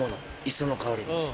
磯の香りがする。